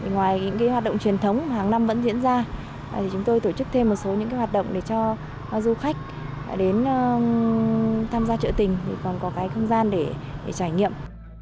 ngoài những hoạt động truyền thống hàng năm vẫn diễn ra chúng tôi tổ chức thêm một số những hoạt động để cho du khách đến tham gia trợ tình còn có không gian để trải nghiệm